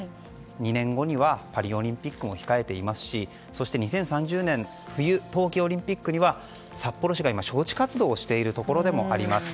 ２年後にはパリオリンピックも控えていますし２０３０年冬季オリンピックには札幌市が今、招致活動をしているところでもあります。